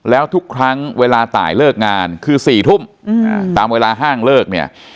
แล้วทุกครั้งเวลาตายเลิกงานคือ๔ทุ่มตามเวลาห้างเลิกเนี่ย